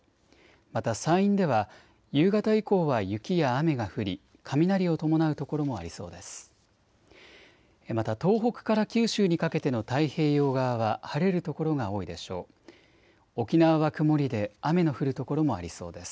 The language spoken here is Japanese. また山陰では夕方以降は雪や雨が降り雷を伴う所もありそうです。